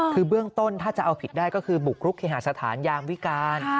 คือเบื้องต้นถ้าจะเอาผิดได้ก็คือบุกรุกเคหาสถานยามวิการ